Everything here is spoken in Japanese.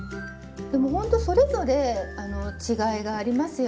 でもほんとそれぞれ違いがありますよね。